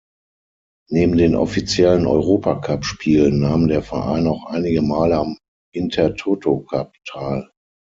Neben den offiziellen Europacup-Spielen nahm der Verein auch einige Male am Intertoto Cup teil.